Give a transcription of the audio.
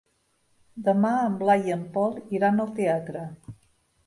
Demà en Blai i en Pol iran al teatre.